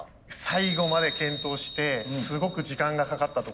最後まで検討してすごく時間がかかったところですね。